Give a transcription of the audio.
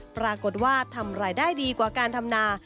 ปรากฏว่าทำรายได้ดีกว่าการทำนา